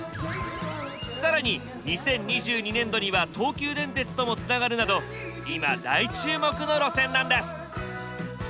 更に２０２２年度には東急電鉄ともつながるなど今大注目の路線なんです！